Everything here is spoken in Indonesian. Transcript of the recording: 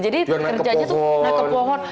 jadi kerjanya tuh naik ke pohon